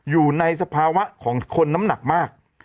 อยู่ในสภาวะของคนน้ำหนักมาก